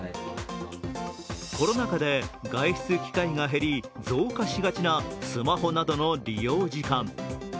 コロナ禍で外出機会が減り、増加しがちなスマホなどの利用時間。